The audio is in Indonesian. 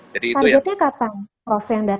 targetnya kapan prof